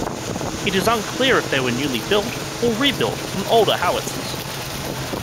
It is unclear if they were newly built, or rebuilt from older howitzers.